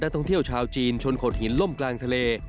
ท่องเที่ยวชาวจีนชนโขดหินล่มกลางทะเล